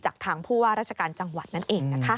ทางผู้ว่าราชการจังหวัดนั่นเองนะคะ